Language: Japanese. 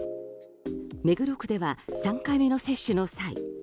目黒区では３回目の接種の際